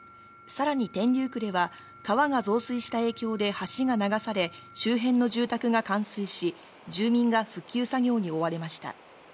さらに天竜区では、川が増水した影響で橋が流され、周辺の住宅が冠水し、住民が復旧作業に追われました。